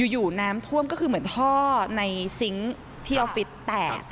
อยู่น้ำท่วมก็คือเหมือนท่อในซิงค์ที่ออฟฟิศแตก